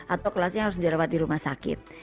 atau kelasnya harus dirawat di rumah sakit